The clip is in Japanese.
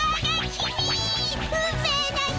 運命の人！